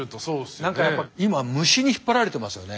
何かやっぱ今虫に引っ張られてますよね。